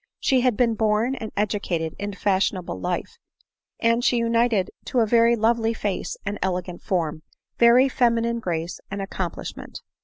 She had been born and educated in fashionable life ; and she united to a very lovely face and elegant form, every feminine grace and accomplish ment.